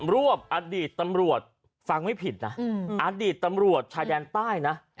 รวบอดีตตำรวจฟังไม่ผิดนะอดีตตำรวจชายแดนใต้นะ